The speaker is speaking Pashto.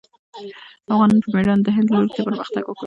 افغانانو په مېړانه د هند لوري ته پرمختګ وکړ.